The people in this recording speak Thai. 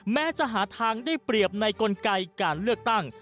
แม้จะหาทางได้เปรียบในกลไกการเลือกตั้ง